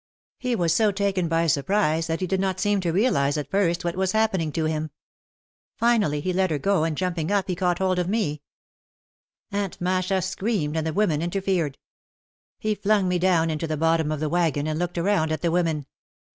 He was so taken by surprise that he did not seem to realise at first what was happening to him. Finally he let her go and jumping up he caught hold of me. Aunt OUT OF THE SHADOW 55 Masha screamed and the women interfered. He flung me down into the bottom of the wagon and looked around at the women.